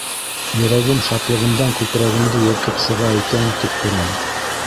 Йөрәгем шатлығымдан күкрәгемде йыртып сыға икән тип торам.